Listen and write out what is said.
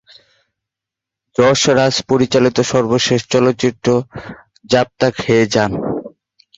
যশ রাজ পরিচালিত সর্বশেষ চলচ্চিত্র "যাব তাক হ্যায় জান"।